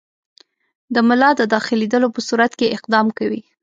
د ملا د داخلېدلو په صورت کې اقدام کوئ.